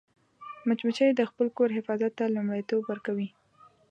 مچمچۍ د خپل کور حفاظت ته لومړیتوب ورکوي